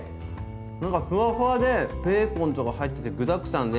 なんかふわふわでベーコンとか入ってて具だくさんで。